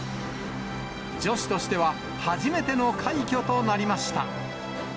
女子としては初めての快挙となりました。